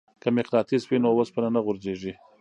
که مقناطیس وي نو وسپنه نه غورځیږي.